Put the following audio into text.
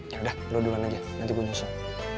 yaudah lo duan aja nanti gue nyusul